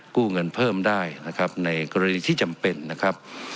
กู้เงินเพิ่มได้นะครับในกรณีที่จำเป็นนะครับ